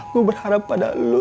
gua berharap pada lu